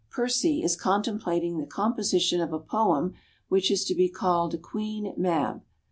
Percy is contemplating the composition of a poem which is to be called "Queen Mab."